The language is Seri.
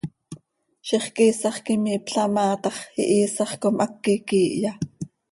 Ziix quiisax quih imiipla maa tax, ¿ihiisax com háqui quiihya?